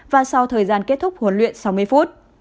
và sau thời gian kết thúc huấn luyện sáu mươi phút